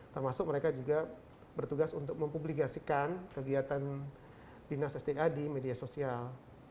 termasuk mereka juga bertugas untuk mempubligasikan kegiatan dinas sda di media sosial